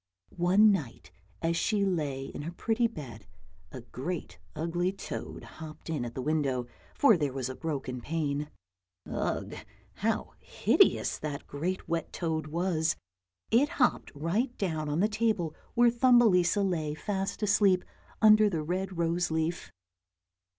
One night as she lay in her pretty bed, a great ugly toad hopped in at the window, for there was a broken pane. Ugh! how hideous that great wet toad was; it hopped right down on to the table where Thumbelisa lay fast asleep, under the red rose leaf.